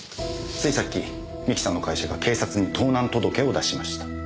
ついさっき三木さんの会社が警察に盗難届を出しました。